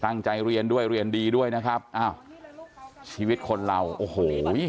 ตั้งใจเรียนด้วยเรียนดีด้วยนะครับอ้าวชีวิตคนเราโอ้โห